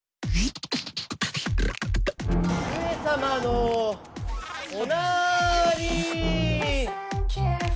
上様のおなーりー。